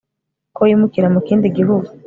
ko wimukira mu kindi gihugu